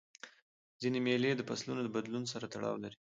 ځیني مېلې د فصلو د بدلون سره تړاو لري.